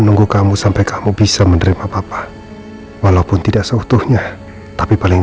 menunggu kamu sampai kamu bisa menerima apa apa walaupun tidak seutuhnya tapi paling